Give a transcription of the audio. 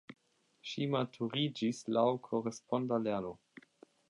Ŝi maturiĝis laŭ koresponda lerno.